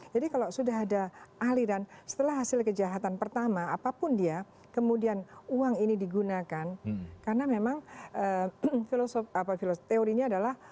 jadi kalau sudah ada aliran setelah hasil kejahatan pertama apapun dia kemudian uang ini digunakan karena memang teorinya adalah